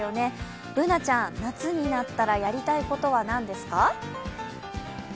Ｂｏｏｎａちゃん、夏になったらやりたいことは何ですか？